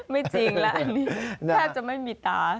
ไม่จริงแล้วอันนี้แทบจะไม่มีตา